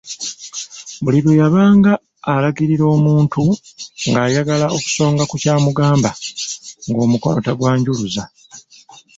Buli lwe yabanga alagirira omuntu nga ayagala okusonga ku kyamugamba, ng'omukono tagwanjuluza.